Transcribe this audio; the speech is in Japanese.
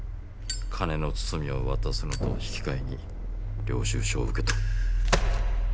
金の包みを渡すのと引き換えに領収証を受け取る。